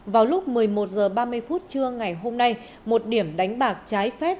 vào lúc một mươi một h ba mươi phút trưa ngày hôm nay một điểm đánh bạc trái phép